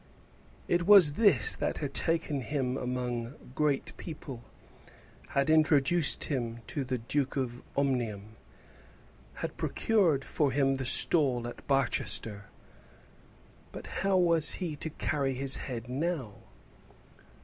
It was this that had taken him among great people, had introduced him to the Duke of Omnium, had procured for him the stall at Barchester. But how was he to carry his head now?